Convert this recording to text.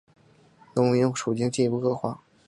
农民处境进一步恶化。